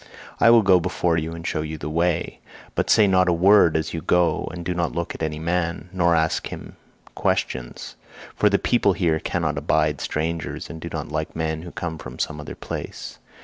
I will go before you and show the way, but say not a word as you go, and do not look at any man, nor ask him questions; for the people here cannot abide strangers, and do not like men who come from some other place.